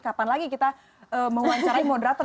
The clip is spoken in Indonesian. kapan lagi kita mau wawancarai moderator